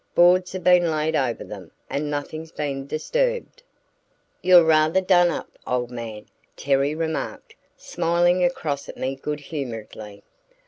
Boards have been laid over them and nothing's been disturbed." "You're rather done up, old man," Terry remarked, smiling across at me good humoredly.